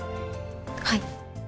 はい。